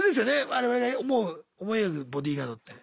我々が思い描くボディーガードって。